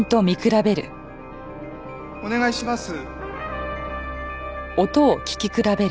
お願いします。